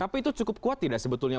tapi itu cukup kuat tidak sebetulnya